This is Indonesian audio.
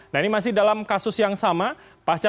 nah ini masih dalam kasus yang sama